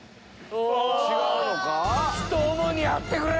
ひと思いにやってくれ！